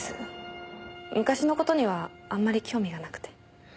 昔の事にはあんまり興味がなくて。